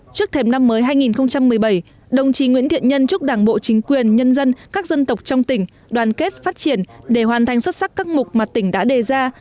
trước thêm năm mới hai nghìn một mươi bảy đồng chí nguyễn thiện nhân chúc đảng bộ chính quyền nhân dân các dân tộc trong tỉnh đoàn kết phát triển để hoàn thành xuất sắc các mục mà tỉnh đã đề ra